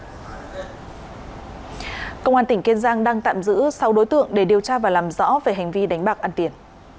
công an tỉnh kiên giang đang tạm giữ sáu đối tượng để điều tra và làm rõ về hành vi đánh bạc ăn tiền